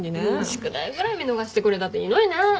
宿題ぐらい見逃してくれたっていいのにね。